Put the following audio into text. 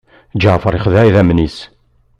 Ǧaɛfeṛ ixdeɛ idammen-is.